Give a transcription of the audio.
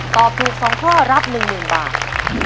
ตอบถูก๒ข้อรับ๑๐๐๐บาท